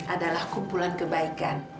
adalah kumpulan kebaikan